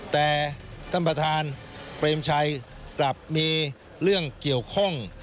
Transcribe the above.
แต่ท่านประธานเปรมชัยกลับมีเรื่องเกี่ยวข้อง